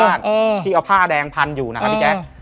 อยู่ข้างบนบ้านที่เอาผ้าแดงพันอยู่นะครับพี่แก๊ก